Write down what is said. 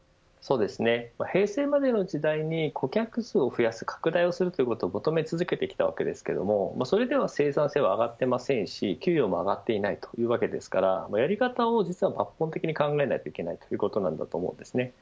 平成のまでの時代に、顧客数を増やす、拡大をするということを求め続けてきたわけですがそれでは生産性は上がっていませんし給与も上がっていないというわけですからやり方を抜本的に考えないといけないということなんだと思います。